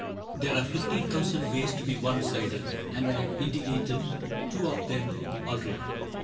There are fifteen thousand ways to be one sided. And I have indicated two of them Already.